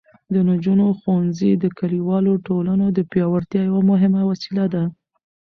د نجونو ښوونځي د کلیوالو ټولنو د پیاوړتیا یوه مهمه وسیله ده.